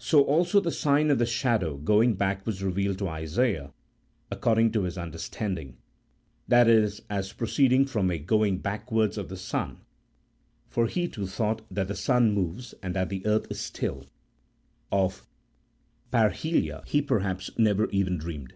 So also the sign of the shadow going back was revealed to Isaiah according to his understanding ; that is, as pro ceeding from a going backwards of the sun ; for he, too, thought that the sun moves and that the earth is still ; of parhelia he perhaps never even dreamed.